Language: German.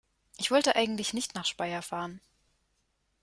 Ich wollte eigentlich nicht nach Speyer fahren